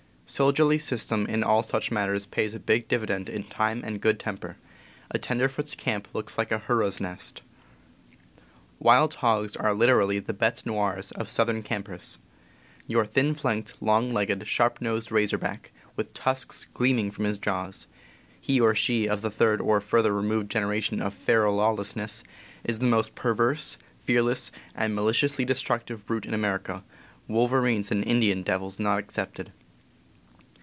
Soldierly system in all such matters pays a big dividend in time and good temper. A tenderfoot's camp looks like a hurrah's nest. Wild hogs are literally the betes noires of southern campers. Your thin flanked, long legged, sharp nosed razorback, with tusks gleaming from his jaws — he or she of the third or further removed generation of feral lawlessness — is the most perverse, fearless, and mali ciously destructive brute in America, wolverines and "Indian devils" not excepted.